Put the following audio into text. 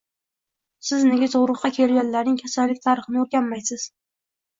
Siz nega tug`ruqqa kelganlarning Kasallik tarixini o`rganmaysiz